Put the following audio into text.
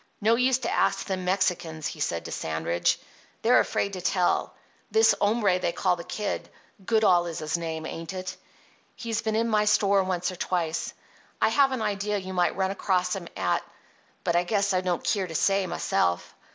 "No use to ask them Mexicans," he said to Sandridge. "They're afraid to tell. This hombre they call the Kid—Goodall is his name, ain't it?—he's been in my store once or twice. I have an idea you might run across him at—but I guess I don't keer to say, myself.